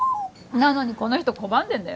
なのにこの人拒んでんだよ